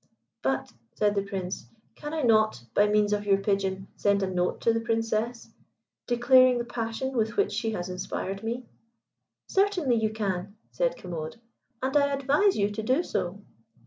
"But," said the Prince, "can I not, by means of your pigeon, send a note to the Princess, declaring the passion with which she has inspired me?" "Certainly you can," said Commode, "and I advise you to do so."